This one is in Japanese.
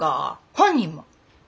本人も？